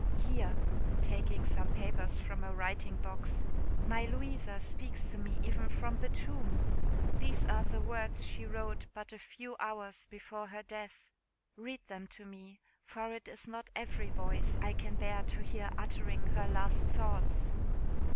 Here," taking some papers from a writing box, "my Louisa speaks to me even from the tomb! These are the words she wrote but a few hours before her death. Read them to me; for it is not every voice I can bear to hear uttering her last thoughts."